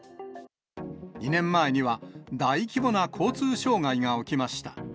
２年前には、大規模な交通障害が起きました。